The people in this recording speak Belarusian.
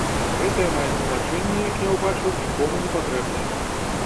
Гэтыя мае тлумачэнні, як я ўбачыў, нікому не патрэбны.